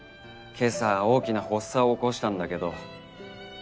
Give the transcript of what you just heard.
今朝大きな発作を起こしたんだけど。